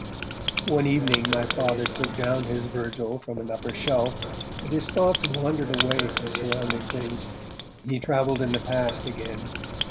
One evening my Father took down his Virgil from an upper shelf, and his thoughts wandered away from surrounding things; he travelled in the past again.